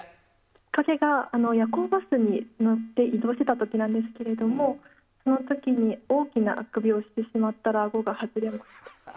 きっかけは夜行バスに乗って移動していた時なんですがその時に大きなあくびをしてしまったらあごが外れました。